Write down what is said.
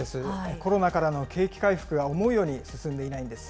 コロナからの景気回復が思うように進んでいないんです。